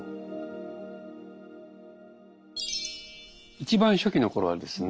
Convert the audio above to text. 一番初期の頃はですね